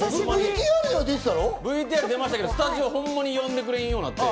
ＶＴＲは出ましたけど、スタジオ、ホンマに呼んでくれんようになって。